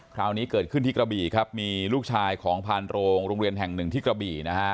คราวนี้เกิดขึ้นที่กระบี่ครับมีลูกชายของพานโรงโรงเรียนแห่งหนึ่งที่กระบี่นะฮะ